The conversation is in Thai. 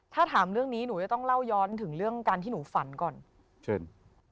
ถ้าถามเรื่องนี้หนูจะต้องเล่าย้อนถึงเรื่องการที่หนูฝันก่อนเชิญ